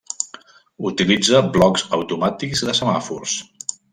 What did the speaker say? Utilitza blocs automàtics de semàfors.